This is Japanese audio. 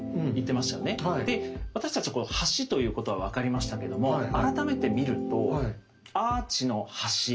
で私たちこの「橋」ということは分かりましたけども改めて見るとあ！